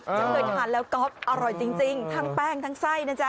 จะเงินกับหันแล้วก็อร่อยจริงจริงทั้งแป้งทั้งไส้น่ะจ๊ะ